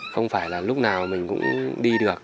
không phải là lúc nào mình cũng đi được